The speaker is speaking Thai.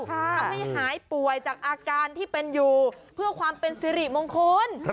ทำให้หายป่วยจากอาการที่เป็นอยู่เพื่อความเป็นสิริมงคล